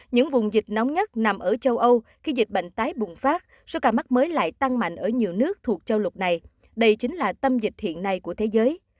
những vùng dịch nóng nhất nằm ở châu âu khi dịch bệnh tái bùng phát số ca mắc mới lại tăng mạnh ở nhiều nước thuộc châu lục này đây chính là tâm dịch hiện nay của thế giới